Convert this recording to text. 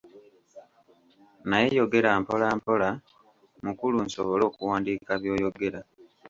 Naye yogera mpola mpola mukulu nsobole okuwandiika byoyogera.